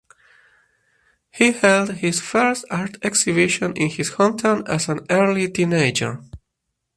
He held his first art exhibition in his hometown as an early teenager.